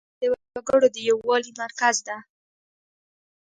مځکه د وګړو د یووالي مرکز ده.